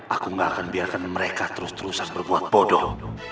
aku gak akan biarkan mereka terus terusan berbuat bodoh